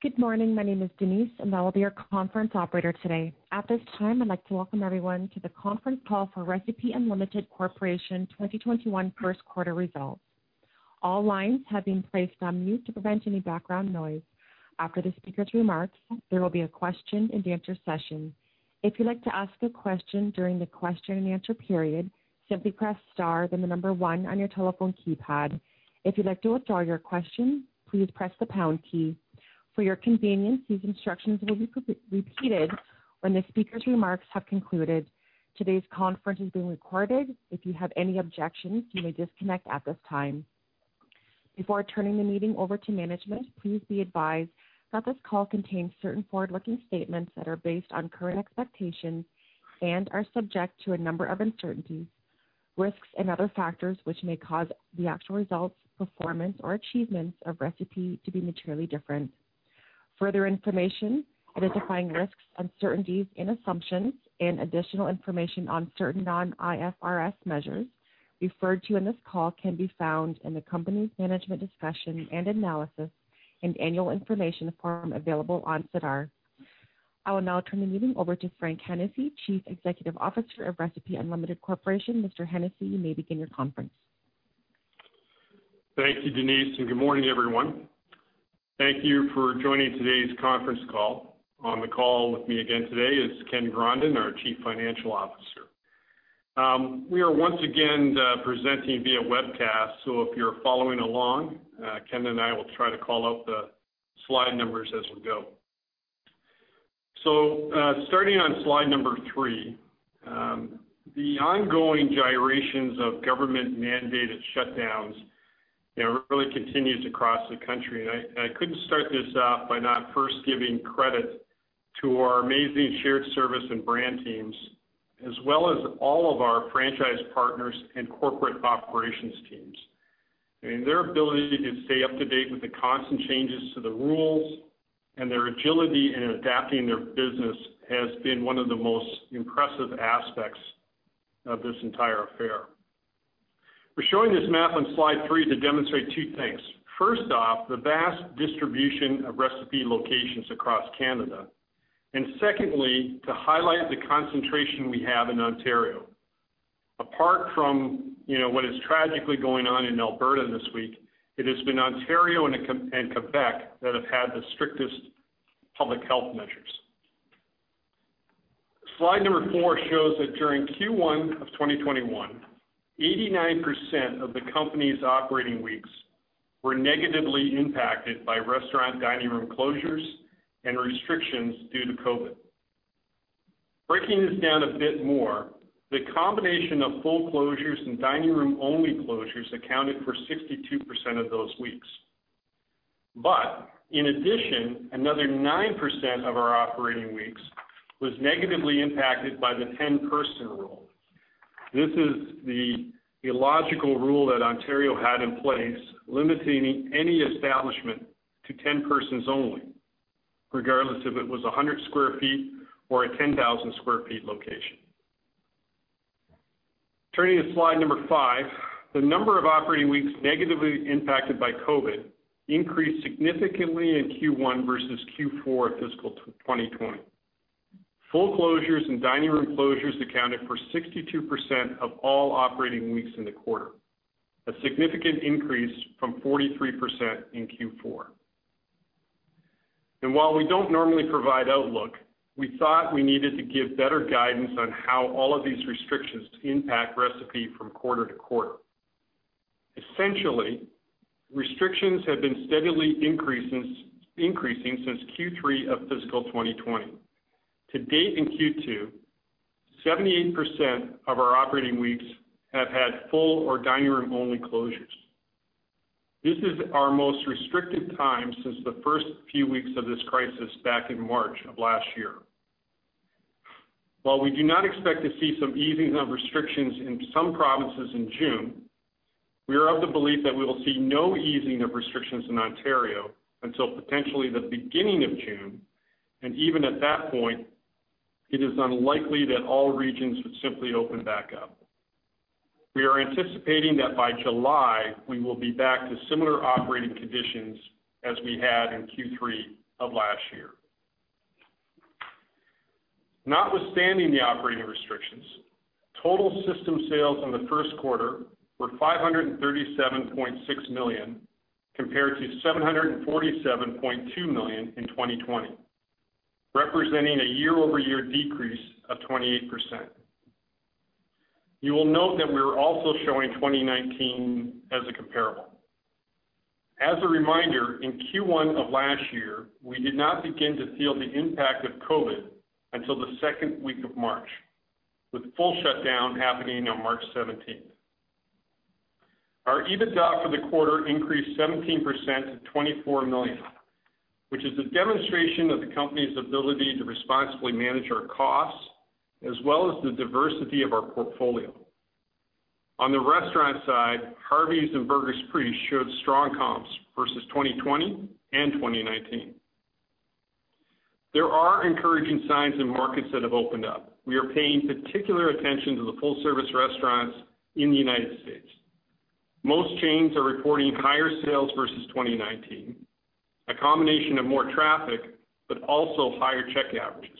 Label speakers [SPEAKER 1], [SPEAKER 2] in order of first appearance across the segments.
[SPEAKER 1] Good morning. My name is Denise, and I will be your conference operator today. At this time, I'd like to welcome everyone to the conference call for Recipe Unlimited Corporation 2021 first quarter results. All lines have been placed on mute to prevent any background noise. After the speaker's remarks, there will be a question and answer session. If you'd like to ask a question during the question and answer period, simply press star then the number one on your telephone keypad. If you'd like to withdraw your question, please press the pound key. For your convenience, these instructions will be repeated when the speaker's remarks have concluded. Today's conference is being recorded. If you have any objections, you may disconnect at this time. Before turning the meeting over to management, please be advised that this call contains certain forward-looking statements that are based on current expectations and are subject to a number of uncertainties, risks, and other factors which may cause the actual results, performance, or achievements of Recipe to be materially different. Further information identifying risks, uncertainties, and assumptions and additional information on certain non-IFRS measures referred to in this call can be found in the company's management discussion and analysis and annual information form available on SEDAR. I will now turn the meeting over to Frank Hennessey, Chief Executive Officer of Recipe Unlimited Corporation. Mr. Hennessey, you may begin your conference.
[SPEAKER 2] Thank you, Denise, and good morning, everyone. Thank you for joining today's conference call. On the call with me again today is Ken Grondin, our Chief Financial Officer. We are once again presenting via webcast, so if you're following along, Ken and I will try to call out the slide numbers as we go. Starting on slide number three, the ongoing gyrations of government mandated shutdowns really continues across the country. I couldn't start this off by not first giving credit to our amazing shared service and brand teams, as well as all of our franchise partners and corporate operations teams. Their ability to stay up to date with the constant changes to the rules and their agility in adapting their business has been one of the most impressive aspects of this entire affair. We're showing this map on slide three to demonstrate two things. First off, the vast distribution of Recipe locations across Canada. Secondly, to highlight the concentration we have in Ontario. Apart from what is tragically going on in Alberta this week, it has been Ontario and Quebec that have had the strictest public health measures. Slide number four shows that during Q1 of 2021, 89% of the company's operating weeks were negatively impacted by restaurant dining room closures and restrictions due to COVID. Breaking this down a bit more, the combination of full closures and dining room only closures accounted for 62% of those weeks. In addition, another 9% of our operating weeks was negatively impacted by the 10-person rule. This is the illogical rule that Ontario had in place limiting any establishment to 10 persons only, regardless if it was 100 sq ft or a 10,000 sq ft location. Turning to slide number five, the number of operating weeks negatively impacted by COVID increased significantly in Q1 versus Q4 of fiscal 2020. Full closures and dining room closures accounted for 62% of all operating weeks in the quarter, a significant increase from 43% in Q4. While we don't normally provide outlook, we thought we needed to give better guidance on how all of these restrictions impact Recipe from quarter to quarter. Essentially, restrictions have been steadily increasing since Q3 of fiscal 2020. To date in Q2, 78% of our operating weeks have had full or dining room only closures. This is our most restricted time since the first few weeks of this crisis back in March of last year. While we do not expect to see some easing of restrictions in some provinces in June, we are of the belief that we will see no easing of restrictions in Ontario until potentially the beginning of June, and even at that point, it is unlikely that all regions would simply open back up. We are anticipating that by July, we will be back to similar operating conditions as we had in Q3 of last year. Notwithstanding the operating restrictions, total system sales in the first quarter were 537.6 million, compared to 747.2 million in 2020, representing a year-over-year decrease of 28%. You will note that we are also showing 2019 as a comparable. As a reminder, in Q1 of last year, we did not begin to feel the impact of COVID until the second week of March, with full shutdown happening on March 17th. Our EBITDA for the quarter increased 17% to 24 million, which is a demonstration of the company's ability to responsibly manage our costs as well as the diversity of our portfolio. On the restaurant side, Harvey's and Burger's Priest showed strong comps versus 2020 and 2019. There are encouraging signs in markets that have opened up. We are paying particular attention to the full-service restaurants in the United States. Most chains are reporting higher sales versus 2019, a combination of more traffic, but also higher check averages.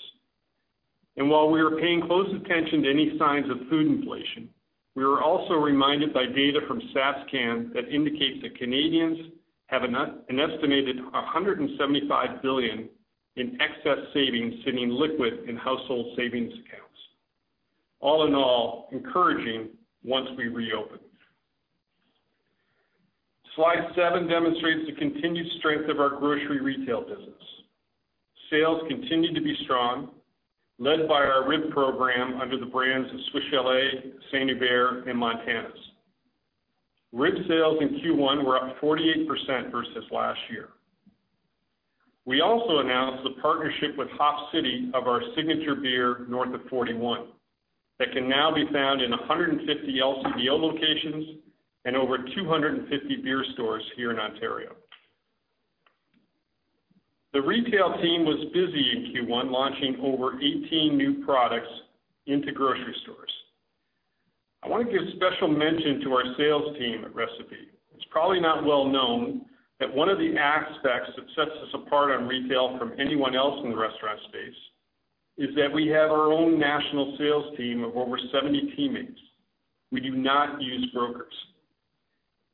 [SPEAKER 2] While we are paying close attention to any signs of food inflation, we are also reminded by data from [StatCan] that indicates that Canadians have an estimated 175 billion in excess savings sitting liquid in household savings accounts. All in all, encouraging once we reopen. Slide seven demonstrates the continued strength of our grocery retail business. Sales continue to be strong, led by our rib program under the brands of Swiss Chalet, St-Hubert, and Montana's. Rib sales in Q1 were up 48% versus last year. We also announced the partnership with Hop City of our signature beer, North of 41°, that can now be found in 150 LCBO locations and over 250 beer stores here in Ontario. The retail team was busy in Q1, launching over 18 new products into grocery stores. I want to give special mention to our sales team at Recipe. It's probably not well known that one of the aspects that sets us apart on retail from anyone else in the restaurant space is that we have our own national sales team of over 70 teammates. We do not use brokers.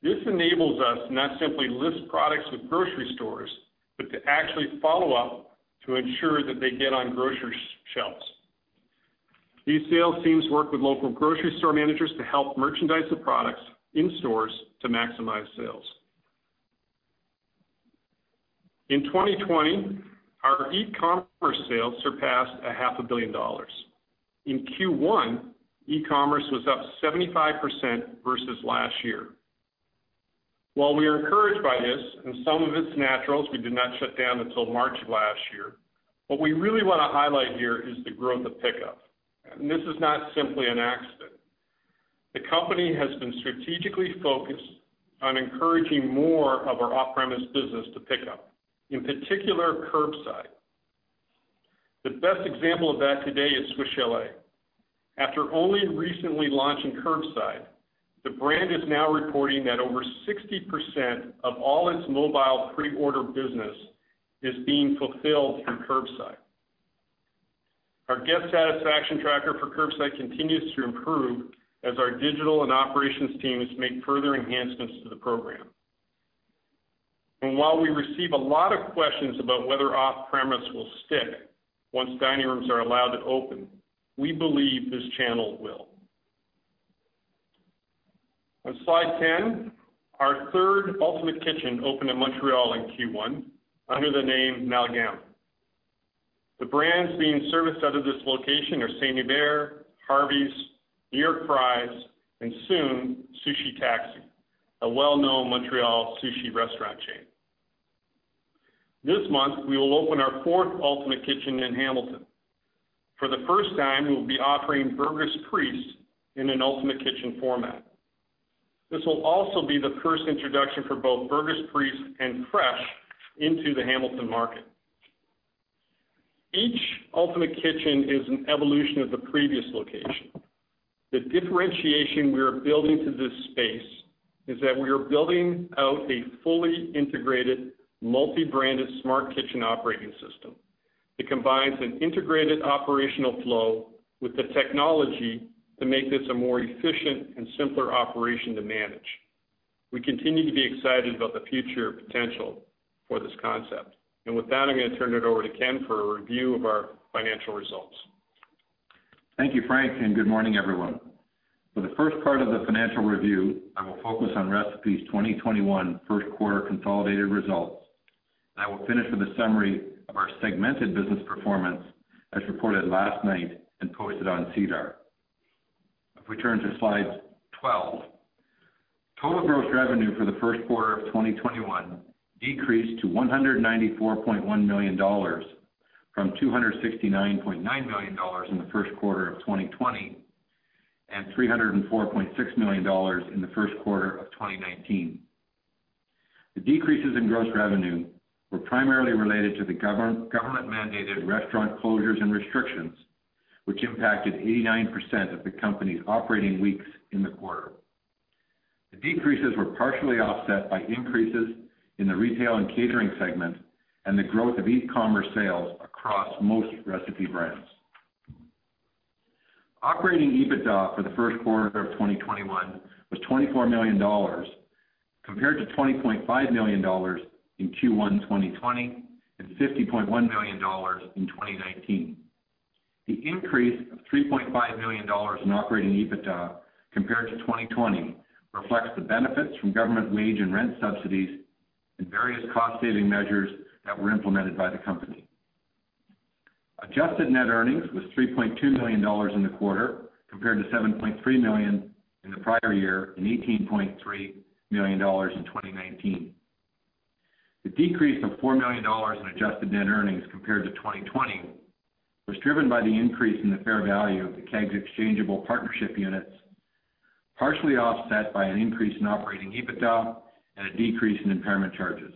[SPEAKER 2] This enables us to not simply list products with grocery stores, but to actually follow up to ensure that they get on grocery shelves. These sales teams work with local grocery store managers to help merchandise the products in stores to maximize sales. In 2020, our e-commerce sales surpassed $500,000. In Q1, e-commerce was up 75% versus last year. While we are encouraged by this, and some of it's natural as we did not shut down until March of last year, what we really want to highlight here is the growth of pickup. This is not simply an accident. The company has been strategically focused on encouraging more of our off-premise business to pick up, in particular, curbside. The best example of that today is Swiss Chalet. After only recently launching curbside, the brand is now reporting that over 60% of all its mobile pre-order business is being fulfilled through curbside. Our guest satisfaction tracker for curbside continues to improve as our digital and operations teams make further enhancements to the program. While we receive a lot of questions about whether off-premise will stick once dining rooms are allowed to open, we believe this channel will. On slide 10, our third Ultimate Kitchen opened in Montreal in Q1 under the name Malgam. The brands being serviced out of this location are St-Hubert, Harvey's, New York Fries, and soon, Sushi Taxi, a well-known Montreal sushi restaurant chain. This month, we will open our fourth Ultimate Kitchen in Hamilton. For the first time, we will be offering Burger's Priest in an Ultimate Kitchen format. This will also be the first introduction for both Burger's Priest and Fresh into the Hamilton market. Each Ultimate Kitchen is an evolution of the previous location. The differentiation we are building to this space is that we are building out a fully integrated, multi-branded, smart kitchen operating system. It combines an integrated operational flow with the technology to make this a more efficient and simpler operation to manage. We continue to be excited about the future potential for this concept. With that, I'm going to turn it over to Ken for a review of our financial results.
[SPEAKER 3] Thank you, Frank, and good morning, everyone. For the first part of the financial review, I will focus on Recipe's 2021 first quarter consolidated results. I will finish with a summary of our segmented business performance as reported last night and posted on SEDAR. If we turn to slide 12, total gross revenue for the first quarter of 2021 decreased to 194.1 million dollars from 269.9 million dollars in the first quarter of 2020, and 304.6 million dollars in the first quarter of 2019. The decreases in gross revenue were primarily related to the government-mandated restaurant closures and restrictions, which impacted 89% of the company's operating weeks in the quarter. The decreases were partially offset by increases in the retail and catering segment and the growth of e-commerce sales across most Recipe brands. Operating EBITDA for the first quarter of 2021 was 24 million dollars, compared to 20.5 million dollars in Q1 2020 and 50.1 million dollars in 2019. The increase of 3.5 million dollars in operating EBITDA compared to 2020 reflects the benefits from government wage and rent subsidies and various cost-saving measures that were implemented by the company. Adjusted net earnings was 3.2 million dollars in the quarter, compared to 7.3 million in the prior year and 18.3 million dollars in 2019. The decrease of 4 million dollars in adjusted net earnings compared to 2020 was driven by the increase in the fair value of the Keg's exchangeable partnership units. Partially offset by an increase in operating EBITDA and a decrease in impairment charges.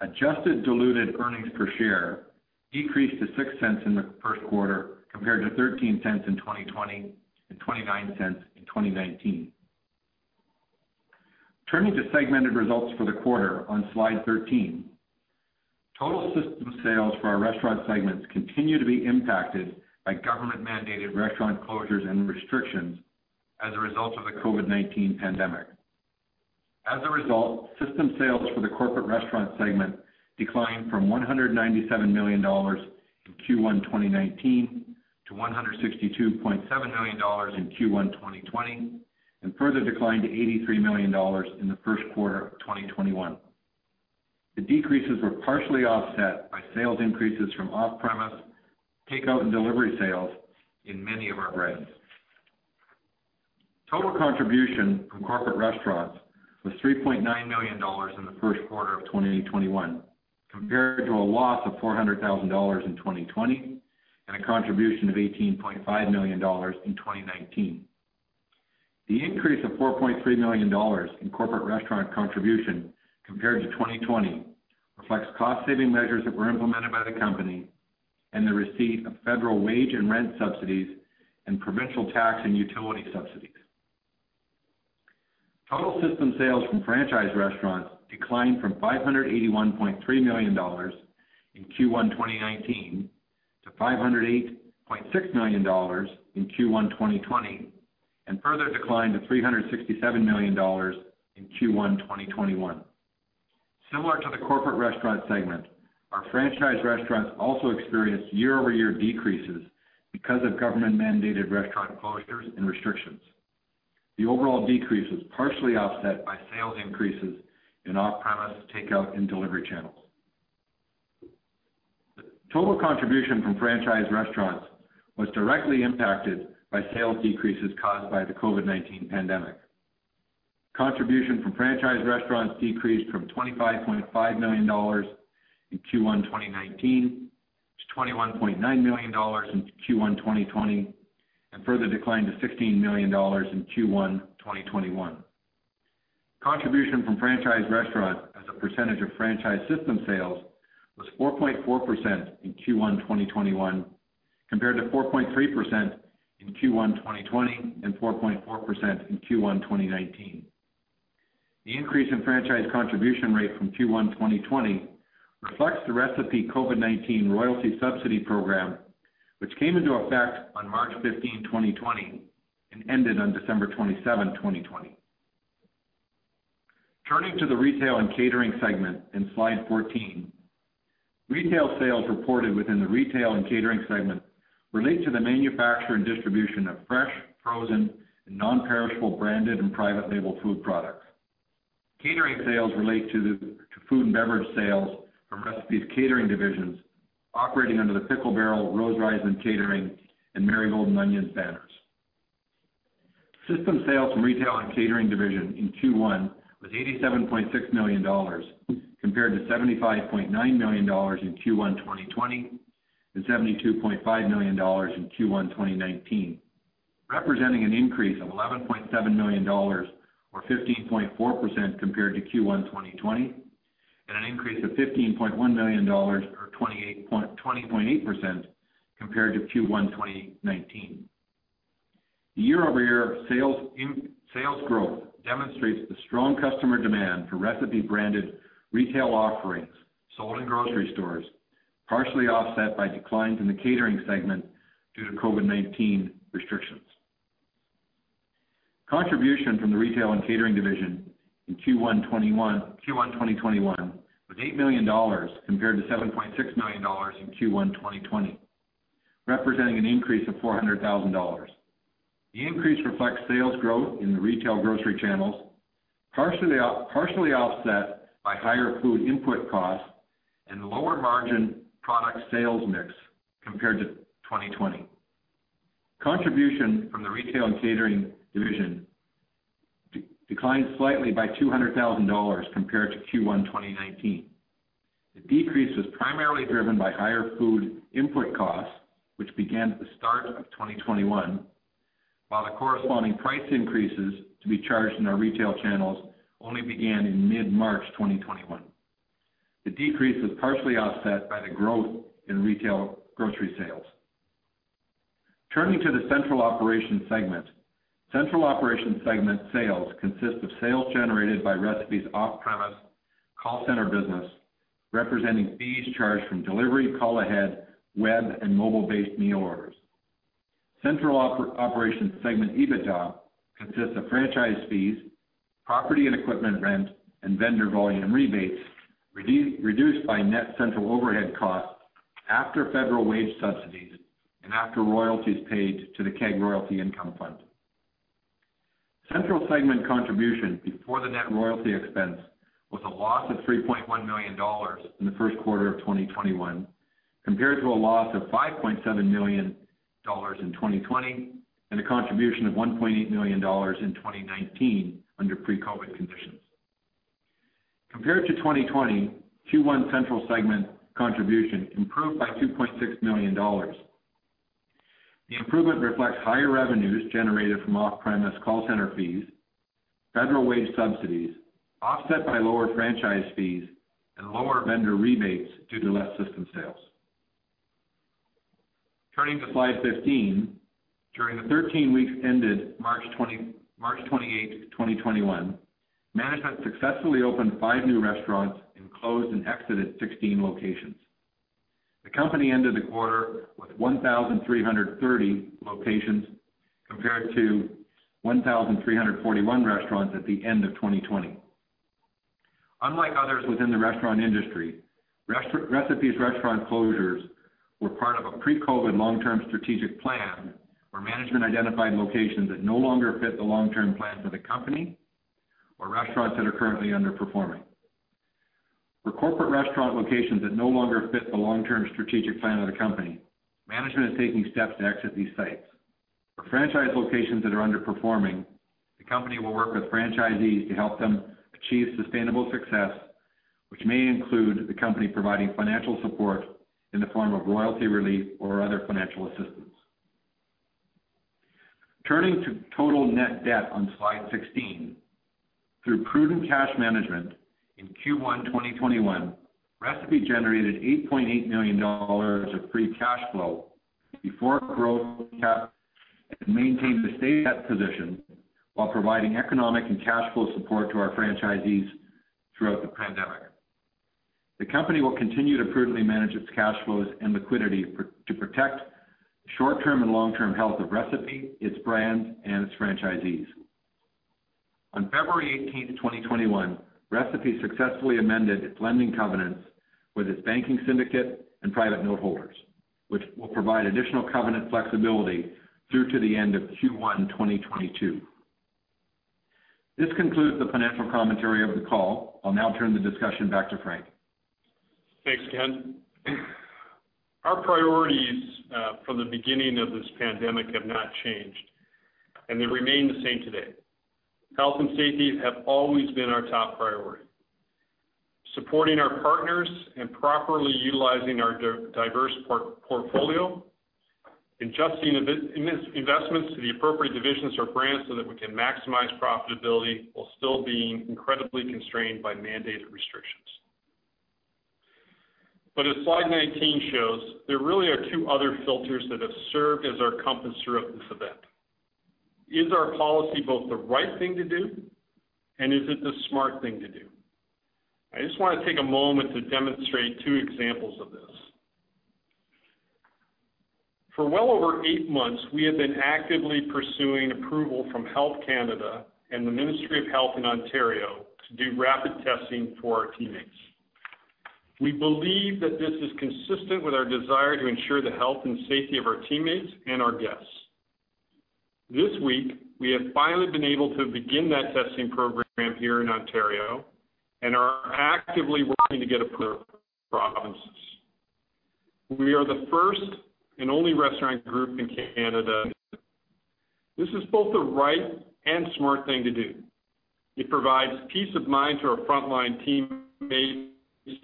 [SPEAKER 3] Adjusted diluted earnings per share decreased to 0.06 in the first quarter compared to 0.13 in 2020 and 0.29 in 2019. Turning to segmented results for the quarter on slide 13. Total system sales for our restaurant segments continue to be impacted by government-mandated restaurant closures and restrictions as a result of the COVID-19 pandemic. As a result, system sales for the corporate restaurant segment declined from 197 million dollars in Q1 2019 to 162.7 million dollars in Q1 2020, and further declined to 83 million dollars in the first quarter of 2021. The decreases were partially offset by sales increases from off-premise takeout and delivery sales in many of our brands. Total contribution from corporate restaurants was 3.9 million dollars in the first quarter of 2021, compared to a loss of 400,000 dollars in 2020, and a contribution of 18.5 million dollars in 2019. The increase of 4.3 million dollars in corporate restaurant contribution compared to 2020 reflects cost-saving measures that were implemented by the company and the receipt of federal wage and rent subsidies and provincial tax and utility subsidies. Total system sales from franchise restaurants declined from 581.3 million dollars in Q1 2019 to 508.6 million dollars in Q1 2020, and further declined to 367 million dollars in Q1 2021. Similar to the corporate restaurant segment, our franchise restaurants also experienced year-over-year decreases because of government-mandated restaurant closures and restrictions. The overall decrease was partially offset by sales increases in off-premise takeout and delivery channels. Total contribution from franchise restaurants was directly impacted by sales decreases caused by the COVID-19 pandemic. Contribution from franchise restaurants decreased from 25.5 million dollars in Q1 2019 to 21.9 million dollars in Q1 2020, and further declined to 16 million dollars in Q1 2021. Contribution from franchise restaurants as a percentage of franchise system sales was 4.4% in Q1 2021, compared to 4.3% in Q1 2020 and 4.4% in Q1 2019. The increase in franchise contribution rate from Q1 2020 reflects the Recipe COVID-19 royalty subsidy program, which came into effect on March 15, 2020, and ended on December 27, 2020. Turning to the retail and catering segment in slide 14. Retail sales reported within the retail and catering segment relate to the manufacture and distribution of fresh, frozen, and non-perishable branded and private label food products. Catering sales relate to food and beverage sales from Recipe's catering divisions operating under the Pickle Barrel, Rose Reisman Catering, and Marigolds & Onions banners. System sales from retail and catering division in Q1 was 87.6 million dollars, compared to 75.9 million dollars in Q1 2020 and 72.5 million dollars in Q1 2019, representing an increase of 11.7 million dollars or 15.4% compared to Q1 2020, and an increase of 15.1 million dollars or 20.8% compared to Q1 2019. The year-over-year sales growth demonstrates the strong customer demand for Recipe-branded retail offerings sold in grocery stores, partially offset by declines in the catering segment due to COVID-19 restrictions. Contribution from the retail and catering division in Q1 2021 was 8 million dollars compared to 7.6 million dollars in Q1 2020, representing an increase of 400,000 dollars. The increase reflects sales growth in the retail grocery channels, partially offset by higher food input costs and lower margin product sales mix compared to 2020. Contribution from the retail and catering division declined slightly by 200,000 dollars compared to Q1 2019. The decrease was primarily driven by higher food input costs, which began at the start of 2021, while the corresponding price increases to be charged in our retail channels only began in mid-March 2021. The decrease was partially offset by the growth in retail grocery sales. Turning to the central operation segment. Central operation segment sales consist of sales generated by Recipe's off-premise call center business, representing fees charged from delivery, call ahead, web, and mobile-based meal orders. Central operations segment EBITDA consists of franchise fees, property and equipment rent, and vendor volume rebates, reduced by net central overhead costs after federal wage subsidies and after royalties paid to the Keg Royalty Income Fund. Central segment contribution before the net royalty expense was a loss of 3.1 million dollars in the first quarter of 2021, compared to a loss of 5.7 million dollars in 2020 and a contribution of 1.8 million dollars in 2019 under pre-COVID conditions. Compared to 2020, Q1 central segment contribution improved by 2.6 million dollars. The improvement reflects higher revenues generated from off-premise call center fees, federal wage subsidies, offset by lower franchise fees and lower vendor rebates due to less system sales. Turning to slide 15. During the 13 weeks ended March 28th, 2021, management successfully opened five new restaurants and closed and exited 16 locations. The company ended the quarter with 1,330 locations compared to 1,341 restaurants at the end of 2020. Unlike others within the restaurant industry, Recipe's restaurant closures were part of a pre-COVID long-term strategic plan where management identified locations that no longer fit the long-term plans of the company or restaurants that are currently underperforming. For corporate restaurant locations that no longer fit the long-term strategic plan of the company, management is taking steps to exit these sites. For franchise locations that are underperforming, the company will work with franchisees to help them achieve sustainable success, which may include the company providing financial support in the form of royalty relief or other financial assistance. Turning to total net debt on slide 16. Through prudent cash management in Q1 2021, Recipe generated 8.8 million dollars of free cash flow before growth cap, and maintained the [debt] position while providing economic and cash flow support to our franchisees throughout the pandemic. The company will continue to prudently manage its cash flows and liquidity to protect the short-term and long-term health of Recipe, its brands, and its franchisees. On February 18th, 2021, Recipe successfully amended its lending covenants with its banking syndicate and private note holders, which will provide additional covenant flexibility through to the end of Q1 2022. This concludes the financial commentary of the call. I'll now turn the discussion back to Frank.
[SPEAKER 2] Thanks, Ken. Our priorities from the beginning of this pandemic have not changed, and they remain the same today. Health and safety have always been our top priority. Supporting our partners and properly utilizing our diverse portfolio, adjusting investments to the appropriate divisions or brands so that we can maximize profitability while still being incredibly constrained by mandated restrictions. As slide 19 shows, there really are two other filters that have served as our compass throughout this event. Is our policy both the right thing to do, and is it the smart thing to do? I just want to take a moment to demonstrate two examples of this. For well over eight months, we have been actively pursuing approval from Health Canada and the Ministry of Health in Ontario to do rapid testing for our teammates. We believe that this is consistent with our desire to ensure the health and safety of our teammates and our guests. This week, we have finally been able to begin that testing program here in Ontario and are actively working to get approved in other provinces. We are the first and only restaurant group in Canada. This is both the right and smart thing to do. It provides peace of mind to our frontline teammates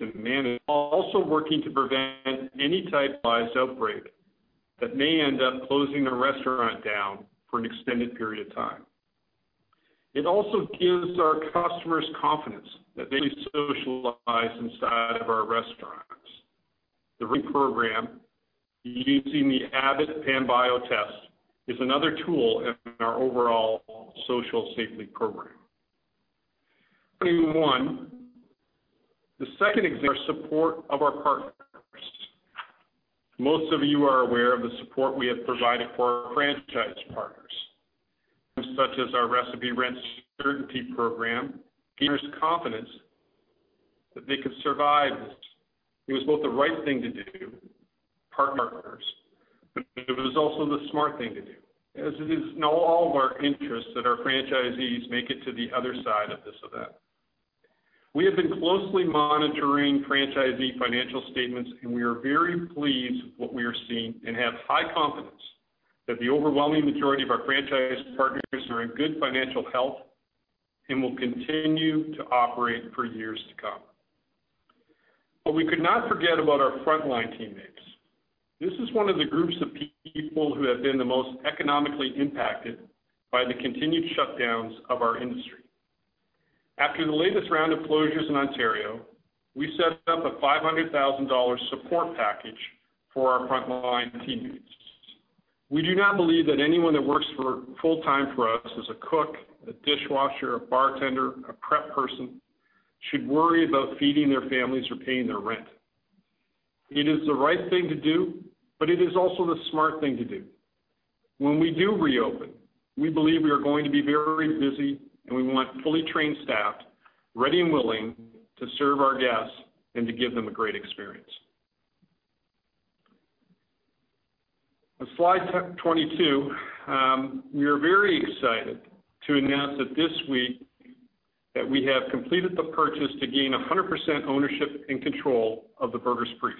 [SPEAKER 2] and management while also working to prevent any type of virus outbreak that may end up closing a restaurant down for an extended period of time. It also gives our customers confidence that they can socialize inside of our restaurants. The program, using the Abbott Panbio test, is another tool in our overall social safety program. Turning to 2021, the second example is our support of our partners. Most of you are aware of the support we have provided for our franchise partners. Programs such as our Recipe Rent Certainty Program gave partners confidence that they could survive this. It was both the right thing to do to support our partners, it was also the smart thing to do as it is in all of our interests that our franchisees make it to the other side of this event. We have been closely monitoring franchisee financial statements, and we are very pleased with what we are seeing and have high confidence that the overwhelming majority of our franchise partners are in good financial health and will continue to operate for years to come. We could not forget about our frontline teammates. This is one of the groups of people who have been the most economically impacted by the continued shutdowns of our industry. After the latest round of closures in Ontario, we set up a 500,000 dollars support package for our frontline teammates. We do not believe that anyone that works full time for us as a cook, a dishwasher, a bartender, a prep person, should worry about feeding their families or paying their rent. It is the right thing to do, but it is also the smart thing to do. When we do reopen, we believe we are going to be very busy and we want fully trained staff, ready and willing to serve our guests and to give them a great experience. On slide 22, we are very excited to announce that this week that we have completed the purchase to gain 100% ownership and control of the Burger's Priest.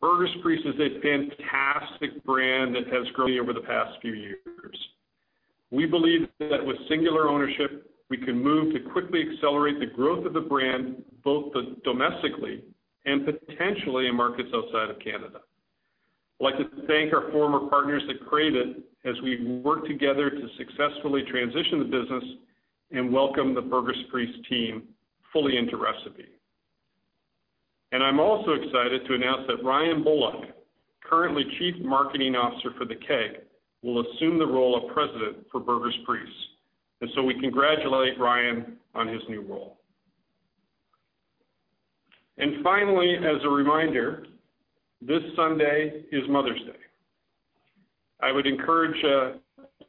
[SPEAKER 2] Burger's Priest is a fantastic brand that has grown over the past few years. We believe that with singular ownership, we can move to quickly accelerate the growth of the brand, both domestically and potentially in markets outside of Canada. I'd like to thank our former partners at Crave It as we work together to successfully transition the business and welcome The Burger's Priest team fully into Recipe. I'm also excited to announce that Ryan Bullock, currently Chief Marketing Officer for The Keg, will assume the role of President for The Burger's Priest. We congratulate Ryan on his new role. Finally, as a reminder, this Sunday is Mother's Day. I would encourage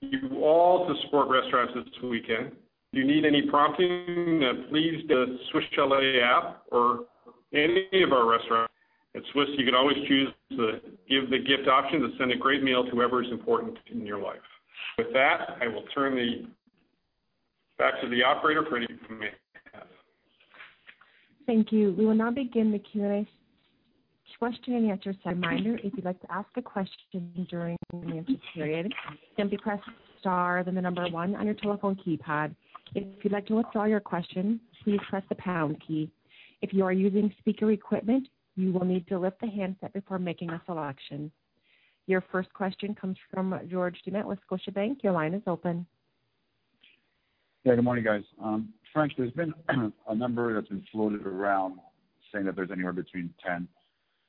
[SPEAKER 2] you all to support restaurants this weekend. If you need any prompting, please, the Swiss Chalet app or any of our restaurants. At Swiss, you can always choose to give the gift option to send a great meal to whoever is important in your life. With that, I will turn it back to the operator for any questions.
[SPEAKER 1] Thank you. We will now begin the Q&A, question and answer session. Reminder, if you'd like to ask a question during the answer period, simply press star, then the number one on your telephone keypad. If you'd like to withdraw your question, please press the pound key. If you are using speaker equipment, you will need to lift the handset before making a selection. Your first question comes from George Doumet with Scotiabank. Your line is open.
[SPEAKER 4] Yeah, good morning, guys. Frank, there's been a number that's been floated around saying that there's anywhere between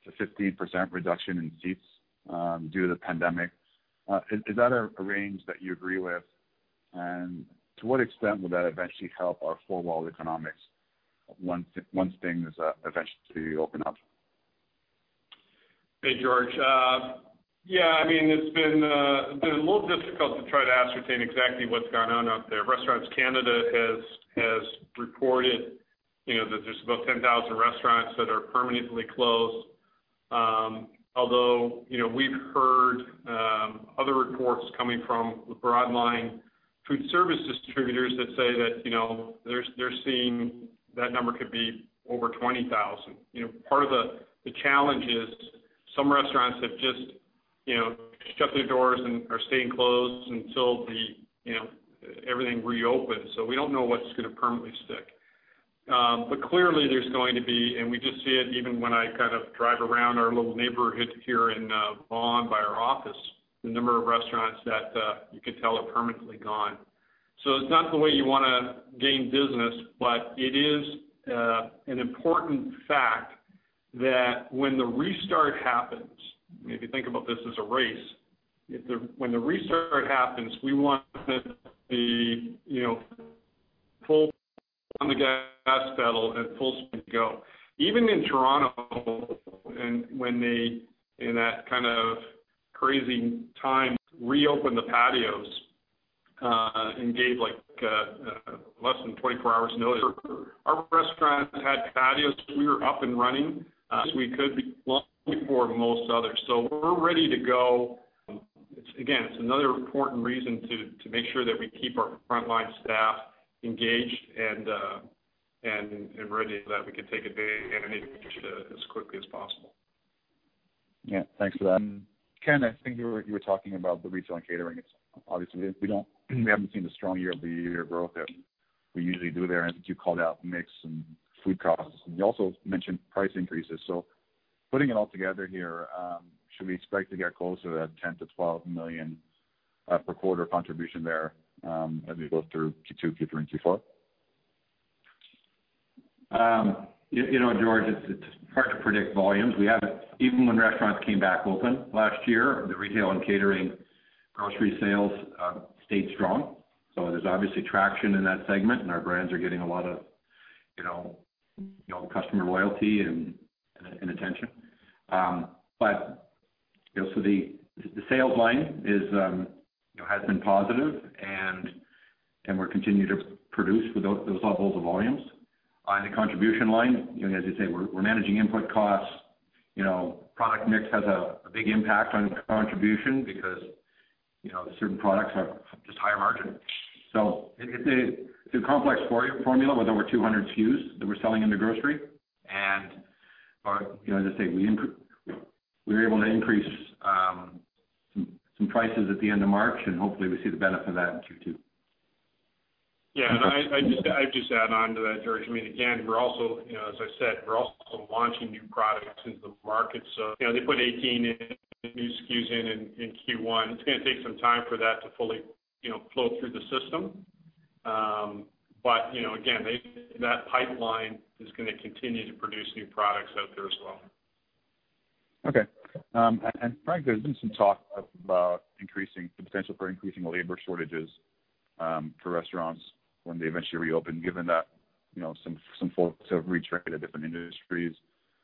[SPEAKER 4] 10%-15% reduction in seats due to the pandemic. Is that a range that you agree with? To what extent will that eventually help our four-wall economics once things eventually open up?
[SPEAKER 2] Hey, George. Yeah, it's been a little difficult to try to ascertain exactly what's gone on out there. Restaurants Canada has reported that there's about 10,000 restaurants that are permanently closed. We've heard other reports coming from the broadline food service distributors that say that they're seeing that number could be over 20,000. Part of the challenge is some restaurants have just shut their doors and are staying closed until everything reopens. We don't know what's going to permanently stick. Clearly there's going to be, and we just see it even when I drive around our little neighborhood here in Vaughan by our office, the number of restaurants that you can tell are permanently gone. It's not the way you want to gain business, but it is an important fact that when the restart happens, if you think about this as a race, when the restart happens, we want to be full on the gas pedal and full speed go. Even in Toronto, and when they, in that kind of crazy time, reopened the patios and gave less than 24 hours notice. Our restaurants had patios. We were up and running as we could be long before most others. We're ready to go. Again, it's another important reason to make sure that we keep our frontline staff engaged and ready so that we can take advantage as quickly as possible.
[SPEAKER 4] Yeah. Thanks for that. Ken, I think you were talking about the retail and catering. Obviously, we haven't seen the strong year-over-year growth that we usually do there. I think you called out mix and food costs, and you also mentioned price increases. Putting it all together here, should we expect to get closer to that 10 million-12 million per quarter contribution there as we go through Q2, Q3, and Q4?
[SPEAKER 3] George, it's hard to predict volumes. Even when restaurants came back open last year, the retail and catering grocery sales stayed strong. There's obviously traction in that segment, and our brands are getting a lot of customer loyalty and attention. The sales line has been positive, and we continue to produce those levels of volumes. On the contribution line, as you say, we're managing input costs. Product mix has a big impact on contribution because certain products are just higher margin. It's a complex formula with over 200 SKUs that we're selling into grocery. As I say, we were able to increase some prices at the end of March, and hopefully we see the benefit of that in Q2.
[SPEAKER 2] Yeah, I'd just add on to that, George. Again, as I said, we're also launching new products into the market. They put 18 new SKUs in in Q1. It's going to take some time for that to fully flow through the system. Again, that pipeline is going to continue to produce new products out there as well.
[SPEAKER 4] Okay. Frank, there's been some talk about the potential for increasing labor shortages for restaurants when they eventually reopen, given that some folks have retrained to different industries.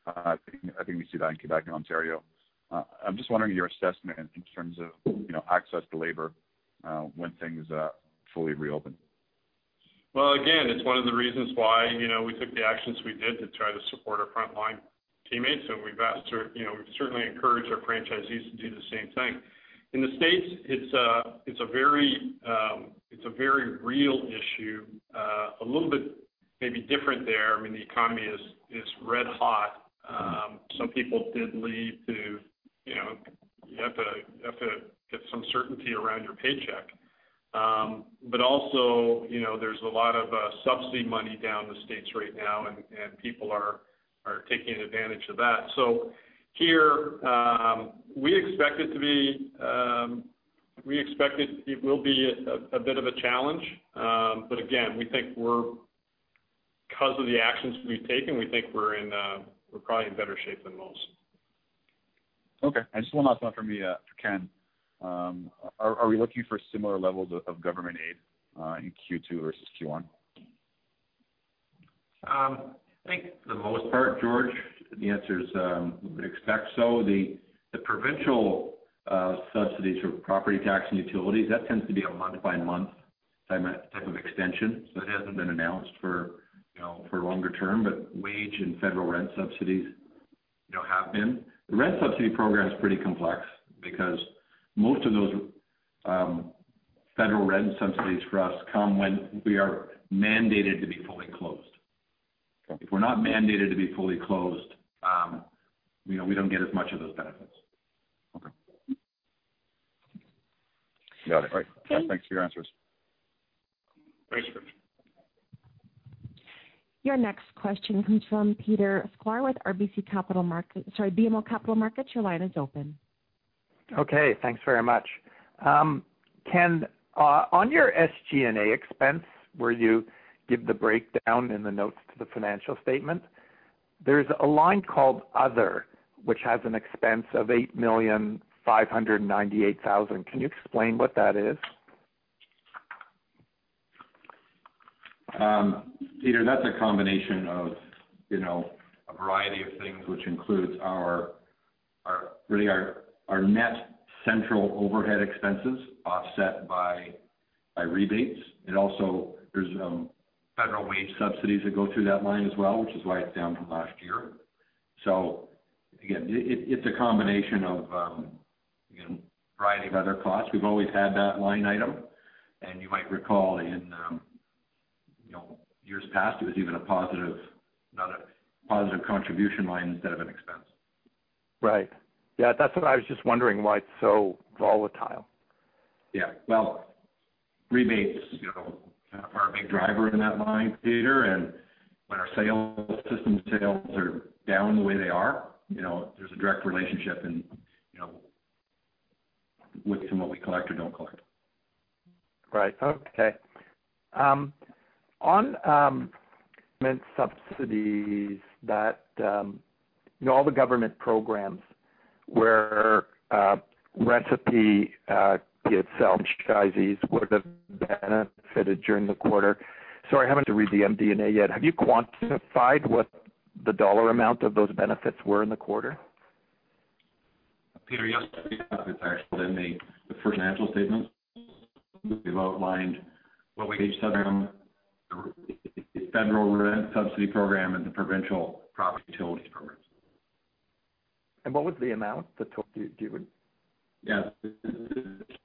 [SPEAKER 4] I think we see that in Quebec and Ontario. I'm just wondering your assessment in terms of access to labor when things fully reopen.
[SPEAKER 2] Well, again, it's one of the reasons why we took the actions we did to try to support our frontline teammates, and we certainly encourage our franchisees to do the same thing. In the States, it's a very real issue, a little bit maybe different there. The economy is red hot. Some people did leave to get some certainty around their paycheck. Also, there's a lot of subsidy money down in the States right now, and people are taking advantage of that. Here, we expect it will be a bit of a challenge. Again, because of the actions we've taken, we think we're probably in better shape than most.
[SPEAKER 4] Okay. Just one last one from me, Ken. Are we looking for similar levels of government aid in Q2 versus Q1?
[SPEAKER 3] I think for the most part, George, the answer is, we would expect so. The provincial subsidies for property tax and utilities, that tends to be a month-by-month type of extension. It hasn't been announced for longer term, but wage and federal rent subsidies have been. The rent subsidy program is pretty complex because most of those federal rent subsidies for us come when we are mandated to be fully closed.
[SPEAKER 4] Okay.
[SPEAKER 3] If we're not mandated to be fully closed, we don't get as much of those benefits.
[SPEAKER 4] Okay. Got it. All right. Thanks for your answers.
[SPEAKER 2] Thanks, George.
[SPEAKER 1] Your next question comes from Peter Sklar with RBC Capital Markets, sorry, BMO Capital Markets, your line is open.
[SPEAKER 5] Okay. Thanks very much. Ken, on your SG&A expense, where you give the breakdown in the notes to the financial statement, there's a line called other, which has an expense of 8,598,000. Can you explain what that is?
[SPEAKER 3] Peter, that's a combination of a variety of things, which includes our net central overhead expenses offset by rebates. Also, there's federal wage subsidies that go through that line as well, which is why it's down from last year. Again, it's a combination of a variety of other costs. We've always had that line item. You might recall in years past, it was even a positive contribution line instead of an expense.
[SPEAKER 5] Right. Yeah, that's what I was just wondering why it's so volatile.
[SPEAKER 3] Yeah. Well, rebates are a big driver in that line, Peter, and when our system sales are down the way they are, there's a direct relationship in what we collect or don't collect.
[SPEAKER 5] Right. Okay. On subsidies, all the government programs where Recipe Unlimited itself, franchisees would have benefited during the quarter. Sorry, I haven't read the MD&A yet. Have you quantified what the dollar amount of those benefits were in the quarter?
[SPEAKER 3] Peter, yes, it's actually in the first financial statement. We've outlined what we Federal Rent Subsidy Program and the Provincial Property Utilities Programs.
[SPEAKER 5] What was the amount that total you'd given?
[SPEAKER 3] Yeah.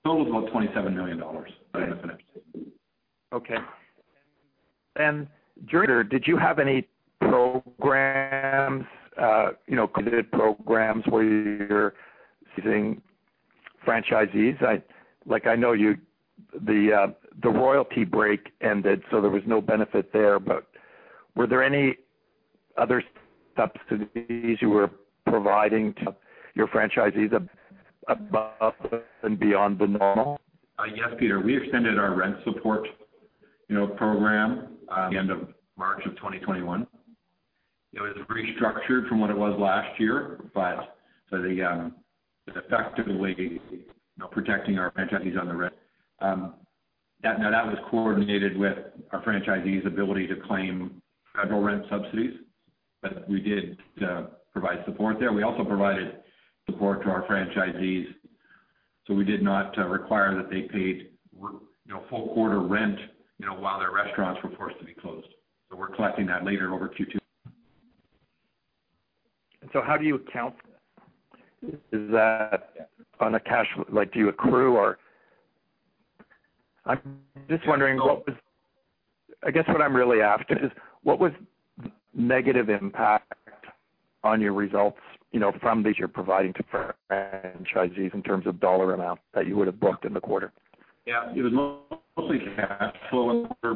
[SPEAKER 3] Total was about CAD 27 million in the financial statement.
[SPEAKER 5] Okay. During that, did you have any programs, committed programs where you're using franchisees? I know the royalty break ended, so there was no benefit there, but were there any other subsidies you were providing to your franchisees above and beyond the normal?
[SPEAKER 3] Yes, Peter. We extended our rent support program at the end of March of 2021. It was restructured from what it was last year, but it was effectively protecting our franchisees on the rent. That was coordinated with our franchisees' ability to claim federal rent subsidies. We did provide support there. We also provided support to our franchisees, so we did not require that they paid full quarter rent, while their restaurants were forced to be closed. We're collecting that later over Q2.
[SPEAKER 5] How do you account for that? Like do you accrue or I'm just wondering, I guess what I'm really after is, what was negative impact on your results, from these you're providing to franchisees in terms of dollar amount that you would have booked in the quarter?
[SPEAKER 3] Yeah. It was mostly,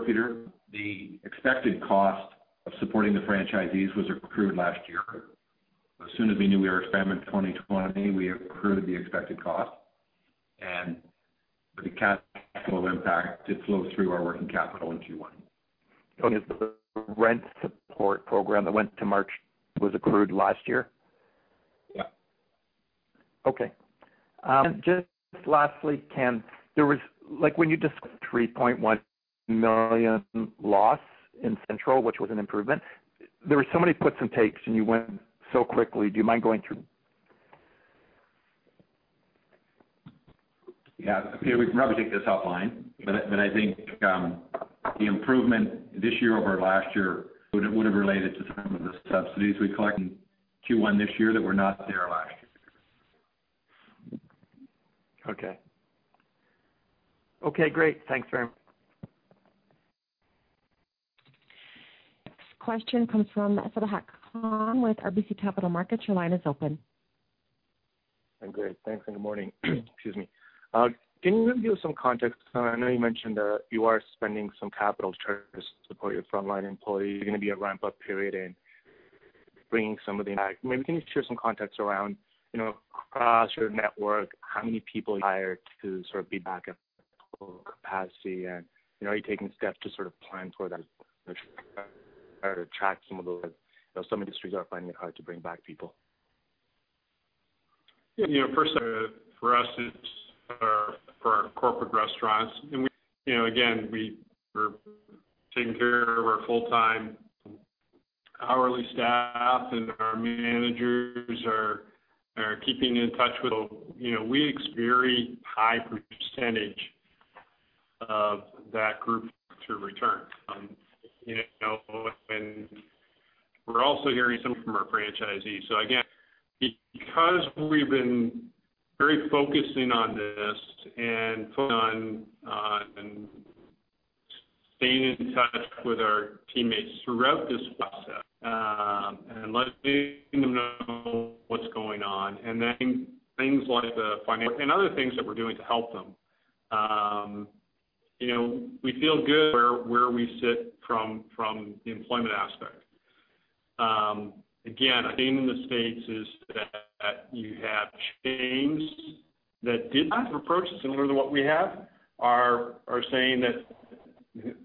[SPEAKER 3] Peter. The expected cost of supporting the franchisees was accrued last year. As soon as we knew we were expanding in 2020, we accrued the expected cost. For the cash flow impact, it flows through our working capital in Q1.
[SPEAKER 5] The rent support program that went to March was accrued last year?
[SPEAKER 3] Yeah.
[SPEAKER 5] Okay. Just lastly, Ken, when you described 3.1 million loss in central, which was an improvement, there were so many puts and takes, and you went so quickly. Do you mind going through?
[SPEAKER 3] Yeah. Peter, we can probably take this offline, but I think the improvement this year over last year would have related to some of the subsidies we collected in Q1 this year that were not there last year.
[SPEAKER 5] Okay, great. Thanks very much.
[SPEAKER 1] Next question comes from Sabahat Khan with RBC Capital Markets. Your line is open.
[SPEAKER 6] Great. Thanks. Good morning. Excuse me. Can you give some context? I know you mentioned that you are spending some capital to support your frontline employees. You're going to be a ramp-up period in bringing some of them back. Maybe can you share some context around, across your network, how many people hired to sort of be back at full capacity? Are you taking steps to sort of plan toward that to try to attract some of those, some industries are finding it hard to bring back people.
[SPEAKER 2] Yeah. First, for us, it's for our corporate restaurants. Again, we are taking care of our full-time hourly staff, and our managers are keeping in touch with them. We experienced high percentage of that group to return. We're also hearing some from our franchisees. Again, because we've been very focused on this and staying in touch with our teammates throughout this process, and letting them know what's going on, and then things like the financial and other things that we're doing to help them. We feel good where we sit from the employment aspect. Again, a theme in the States is that you have chains that did not approach it similar to what we have, are saying that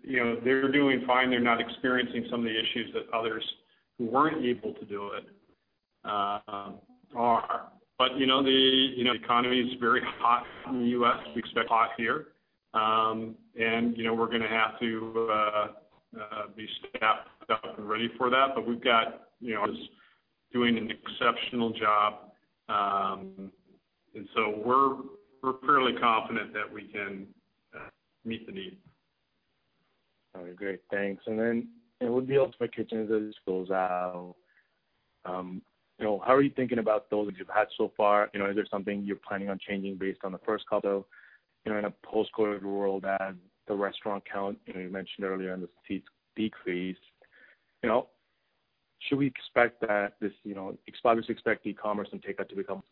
[SPEAKER 2] they're doing fine. They're not experiencing some of the issues that others who weren't able to do it are. The economy is very hot in the U.S. We expect hot here. We're going to have to be staffed up and ready for that, but we've got us doing an exceptional job. We're fairly confident that we can meet the need.
[SPEAKER 6] All right, great. Thanks. With the Ultimate Kitchens as this rolls out, how are you thinking about those that you've had so far? Is there something you're planning on changing based on the first couple? In a post-COVID world as the restaurant count, you mentioned earlier, and the seats decrease, should we expect that this, obviously expect e-commerce and takeout to become,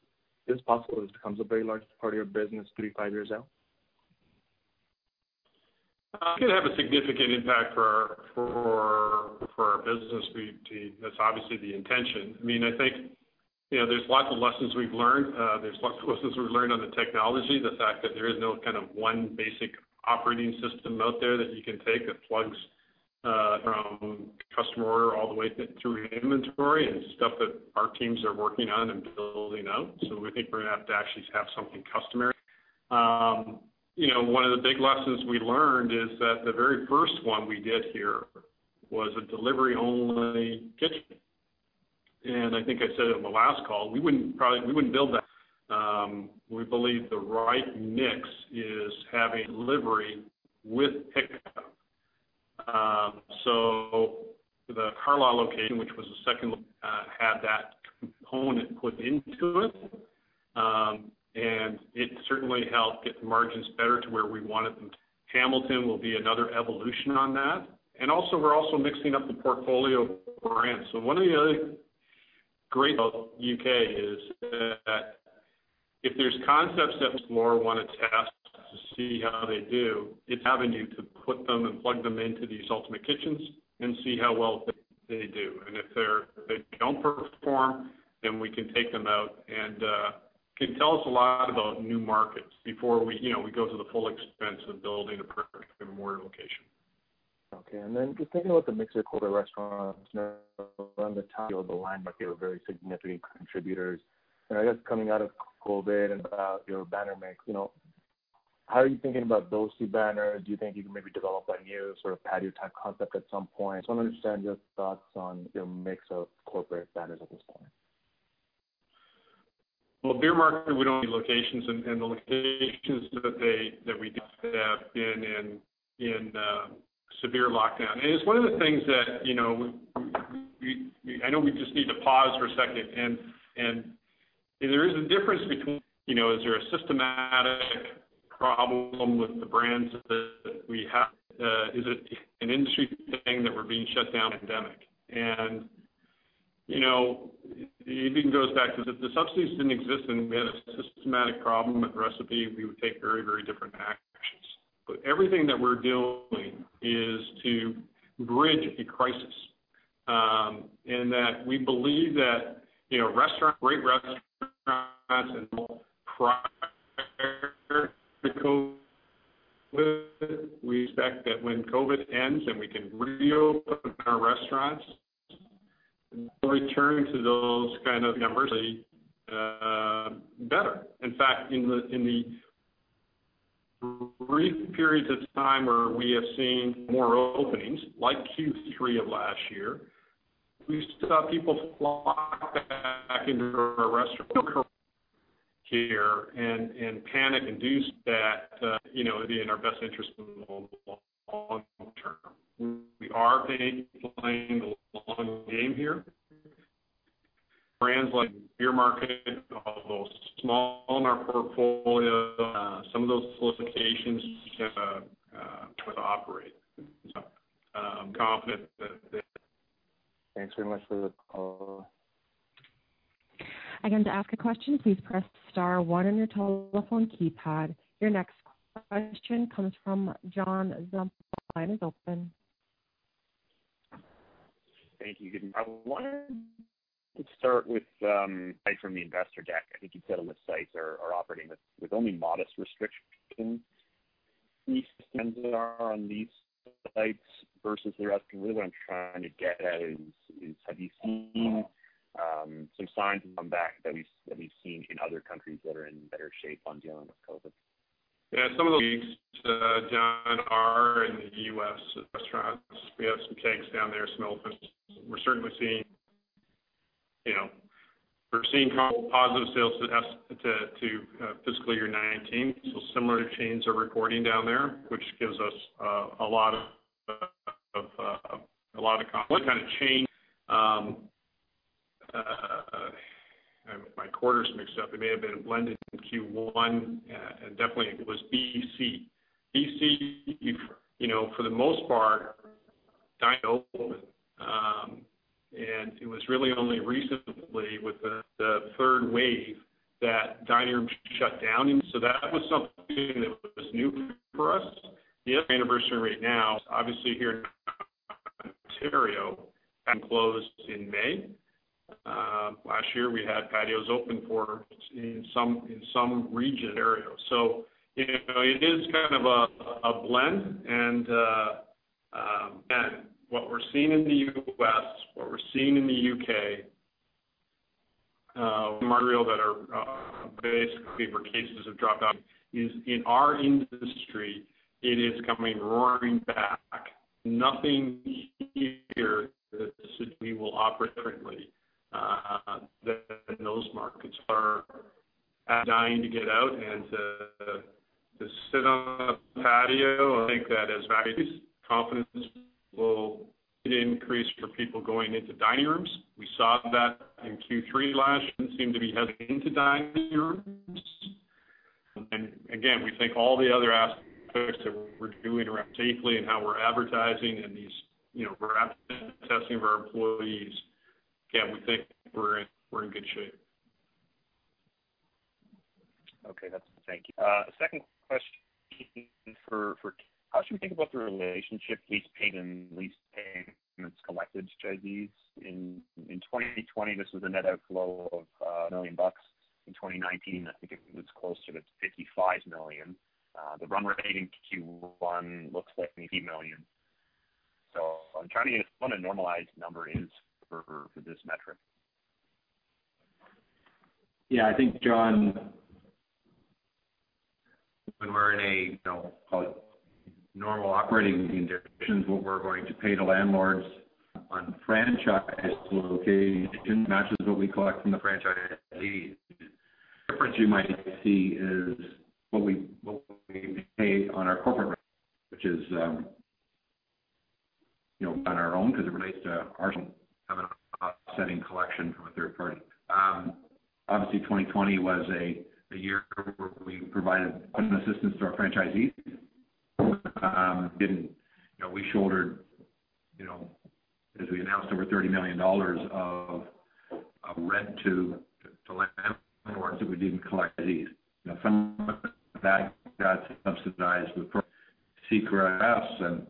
[SPEAKER 6] is it possible that it becomes a very large part of your business three, five years out?
[SPEAKER 2] It could have a significant impact for our business. That's obviously the intention. I think, there are lots of lessons we've learned. There's lots of lessons we've learned on the technology. The fact that there is no one basic operating system out there that you can take that plugs from customer order all the way through inventory and stuff that our teams are working on and building out. We think we're going to have to actually have something customary. One of the big lessons we learned is that the very first one we did here was a delivery-only kitchen. I think I said it on the last call, we wouldn't build that. We believe the right mix is having delivery with pickup. The Carlaw location, which was the second, had that component put into it. It certainly helped get the margins better to where we want it, and Hamilton will be another evolution on that. Also, we're also mixing up the portfolio of brands. One of the other great about U.K. is that if there's concepts that explore, want to test to see how they do, it's having you to put them and plug them into these Ultimate Kitchens and see how well they do. If they don't perform, then we can take them out, and can tell us a lot about new markets before we go to the full expense of building a brick and mortar location.
[SPEAKER 6] Okay. Just thinking about the mix of corporate restaurants now on the top of the line might be a very significant contributors. I guess coming out of COVID and your banner mix, how are you thinking about those two banners? Do you think you can maybe develop a new sort of patio type concept at some point? Just want to understand your thoughts on your mix of corporate banners at this point.
[SPEAKER 2] Well, Bier Markt, we don't have locations, the locations that we do have been in severe lockdown. It's one of the things that, I know we just need to pause for a second, and there is a difference between, is there a systematic problem with the brands that we have? Is it an industry thing that we're being shut down in the pandemic? It even goes back to if the subsidies didn't exist, and we had a systematic problem with Recipe, we would take very, very different actions. Everything that we're doing is to bridge a crisis, in that we believe that great restaurants and mall prior to COVID. We expect that when COVID ends and we can reopen our restaurants, return to those kind of numbers, better. In fact, in the brief periods of time where we have seen more openings, like Q3 of last year, we saw people flock back into our restaurants here and panic induce that it would be in our best interest in the long term. We are playing the long game here. Brands like Bier Markt, although small in our portfolio, some of those qualifications to operate.
[SPEAKER 6] Thanks very much for the call.
[SPEAKER 1] Again, to ask a question, please press star one on your telephone keypad. Your next question comes from John Zamparo. Your line is open.
[SPEAKER 7] Thank you. Good morning. I wanted to start with a slide from the investor deck. I think you said on the sites are operating with only modest restrictions. Leases on these sites versus the rest. Really what I'm trying to get at is, have you seen some signs of comeback that we've seen in other countries that are in better shape on dealing with COVID?
[SPEAKER 2] Yeah, some of the leagues, John, are in the U.S. restaurants. We have some Kegs down there, some open. We're certainly seeing positive sales to fiscal year 2019. Similar chains are reporting down there, which gives us a lot of confidence.
[SPEAKER 7] What kind of chain?
[SPEAKER 2] My quarters are mixed up. It may have been blended in Q1. Definitely it was EC. EC, for the most part, dine open. It was really only recently with the third wave that dine-in shut down. That was something that was new for us. The anniversary right now, obviously here in Ontario, dine closed in May. Last year, we had patios open for us in some region areas. It is kind of a blend and what we're seeing in the U.S., what we're seeing in the U.K., material that are basically for cases have dropped out, is in our industry, it is coming roaring back. Nothing here that says we will operate differently than those markets are dying to get out and to sit on a patio. I think that as vaccines, confidence will increase for people going into dining rooms. We saw that in Q3 last year, seem to be heading into dining rooms. Again, we think all the other aspects that we're doing around safely and how we're advertising and these rapid testing of our employees, again, we think we're in good shape.
[SPEAKER 7] Okay. That's helpful. Thank you. Second question for Ken. How should we think about the relationship lease paid and lease payments collected franchisees? In 2020, this was a net outflow of 1 million bucks. In 2019, I think it was closer to 55 million. The run rate in Q1 looks like 80 million. I'm trying to get what a normalized number is for this metric.
[SPEAKER 3] Yeah, I think, John, when we're in a normal operating conditions, what we're going to pay the landlords on franchise locations matches what we collect from the franchisees. The difference you might see is what we pay on our corporate rent, which is on our own because it relates to setting collection from a third party. Obviously, 2020 was a year where we provided rent assistance to our franchisees. We shouldered, as we announced, over 30 million dollars of rent to landlords that we didn't collect. Some of that got subsidized with CECRA and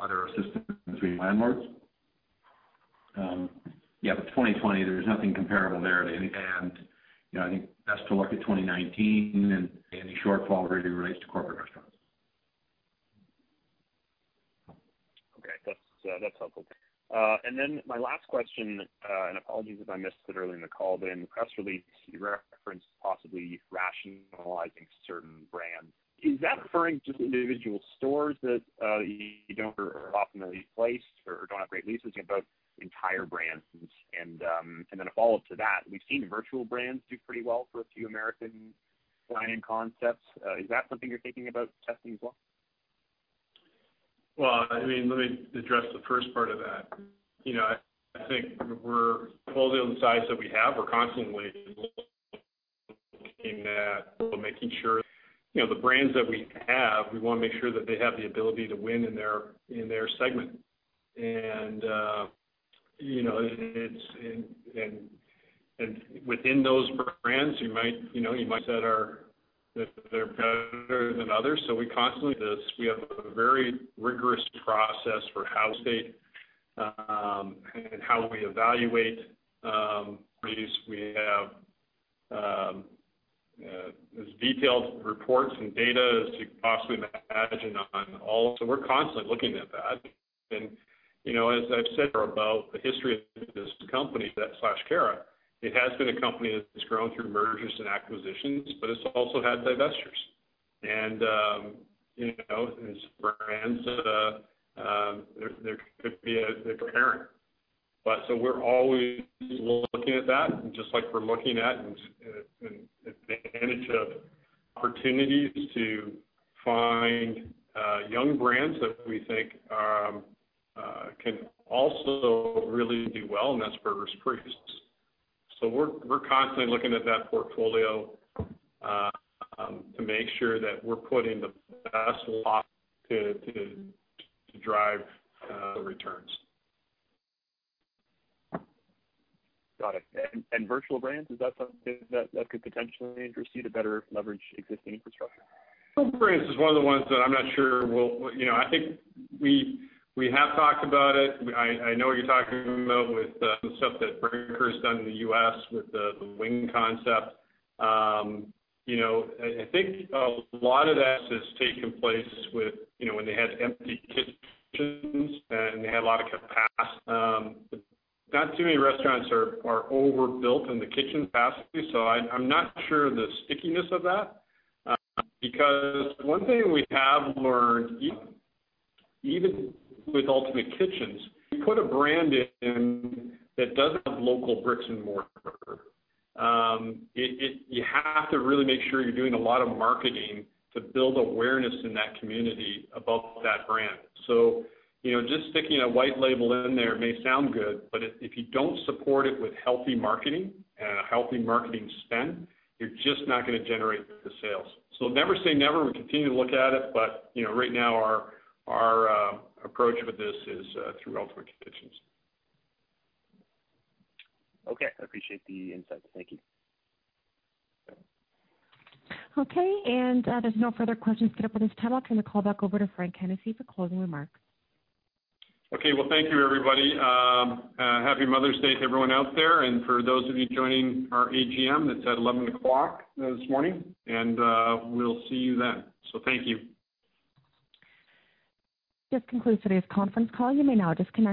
[SPEAKER 3] other assistance between landlords. Yeah, 2020, there's nothing comparable there. I think best to look at 2019 and any shortfall really relates to corporate restaurants.
[SPEAKER 7] Okay. That's helpful. My last question, and apologies if I missed it early in the call, but in the press release, you referenced possibly rationalizing certain brands. Is that referring to individual stores that you aren't optimally placed or don't have great leases about entire brands? A follow-up to that, we've seen virtual brands do pretty well for a few American dining concepts. Is that something you're thinking about testing as well?
[SPEAKER 2] Well, let me address the first part of that. I think we're the sites that we have. We're constantly looking at making sure the brands that we have, we want to make sure that they have the ability to win in their segment. Within those brands, you might set that they're better than others. We constantly do this. We have a very rigorous process for how we evaluate these. We have as detailed reports and data as you possibly imagine on all. We're constantly looking at that. As I've said about the history of this company, Cara, it has been a company that has grown through mergers and acquisitions, but it's also had divestitures. There could be a parent. We're always looking at that, just like we're looking at opportunities to find young brands that we think can also really do well, and that's Burger's Priest. We're constantly looking at that portfolio to make sure that we're putting the best lot to drive the returns.
[SPEAKER 7] Got it. Virtual brands, is that something that could potentially interest you to better leverage existing infrastructure?
[SPEAKER 2] Virtual brands is one of the ones that I'm not sure. I think we have talked about it. I know what you're talking about with the stuff that Brinker's done in the U.S. with the Wing concept. I think a lot of that has taken place with when they had empty kitchens and they had a lot of capacity. Not too many restaurants are overbuilt in the kitchen capacity. I'm not sure of the stickiness of that. Because one thing we have learned, even with Ultimate Kitchens, you put a brand in that doesn't have local bricks and mortar, you have to really make sure you're doing a lot of marketing to build awareness in that community about that brand. Just sticking a white label in there may sound good, but if you don't support it with healthy marketing and a healthy marketing spend, you're just not going to generate the sales. Never say never. We continue to look at it, but right now, our approach with this is through Ultimate Kitchens.
[SPEAKER 7] Okay. I appreciate the insight. Thank you.
[SPEAKER 1] Okay, there's no further questions queued up at this time. I'll turn the call back over to Frank Hennessey for closing remarks.
[SPEAKER 2] Well, thank you everybody. Happy Mother's Day to everyone out there. For those of you joining our AGM, that's at 11:00 A.M., we'll see you then. Thank you.
[SPEAKER 1] This concludes today's conference call. You may now disconnect.